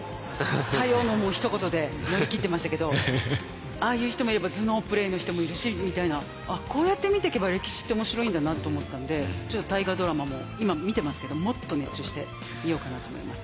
「左様」のもうひと言で乗り切ってましたけどああいう人もいれば頭脳プレーの人もいるしみたいなあっこうやって見てけば歴史って面白いんだなと思ったんでちょっと大河ドラマも今見てますけどもっと熱中して見ようかなと思います。